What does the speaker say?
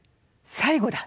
最後だ！